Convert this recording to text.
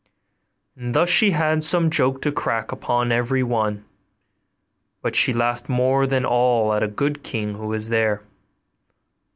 And thus she had some joke to crack upon every one: but she laughed more than all at a good king who was there.